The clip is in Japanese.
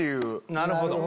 なるほど。